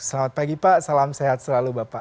selamat pagi pak salam sehat selalu bapak